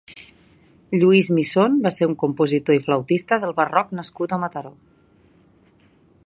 Lluís Misón va ser un compositor i flautista del Barroc nascut a Mataró.